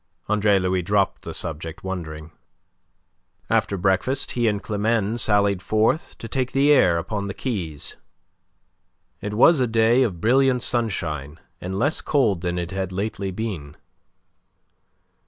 Andre Louis dropped the subject, wondering. After breakfast he and Climene sallied forth to take the air upon the quays. It was a day of brilliant sunshine and less cold than it had lately been.